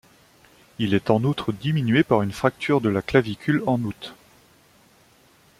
Il est en outre diminué par une fracture de la clavicule en août.